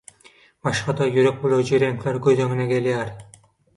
Başga-da ýürek bulaýjy reňkler göz öňüňe gelýär.